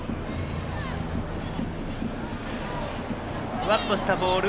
ふわっとしたボール